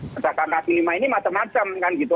kejahatan kc lima ini macam macam kan gitu